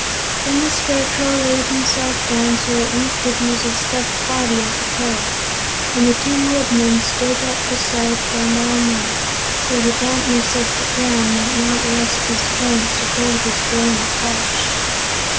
Then the Scarecrow laid himself down, so that Woot could use his stuffed body as a pillow, and the Tin Woodman stood up beside them all night, so the dampness of the ground might not rust his joints or dull his brilliant polish.